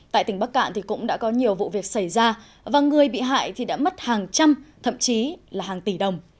tại tỉnh bắc cạn thì cũng đã có nhiều vụ việc xảy ra và người bị hại thì đã mất hàng trăm thậm chí là hàng tỷ đồng